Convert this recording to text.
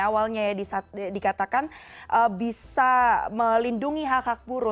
awalnya dikatakan bisa melindungi hak hak buru